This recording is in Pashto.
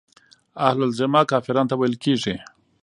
اهل الذمه کافرانو ته ويل کيږي.